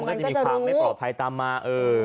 แต่มันก็จะมีความไม่ปลอดภัยตามมาเออ